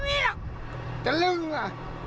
นี่แหละกระลึ่งอ่ะ